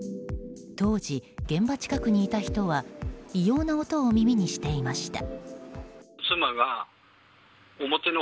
当時、現場近くにいた人は異様な音を耳にしていました。